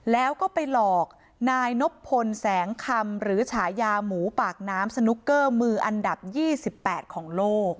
แล้วก็ไปหลอกนายนบพลแสงคำหรือฉายาหมูปากน้ำสนุกเกอร์มืออันดับ๒๘ของโลก